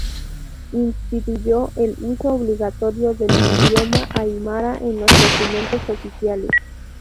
Instituyó el uso obligatorio del idioma aimara en los documentos oficiales.